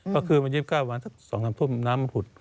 ก่อนวันที่๒๙สางล้ำทุ่มน้ำผุด